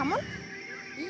kamu kok ngelamun